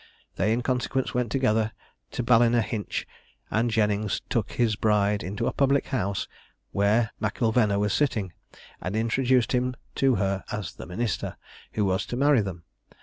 They in consequence went together to Ballinahinch, and Jennings took his bride into a public house where M'Ilvena was sitting, and introduced him to her as the minister, who was to marry them.